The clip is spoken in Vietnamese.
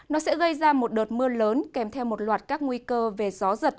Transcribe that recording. nó sẽ gây ra một đợt mưa lớn kèm theo một loạt các nguy cơ về gió giật